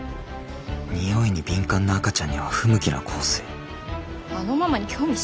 においに敏感な赤ちゃんには不向きな香水あのママに興味津々だね。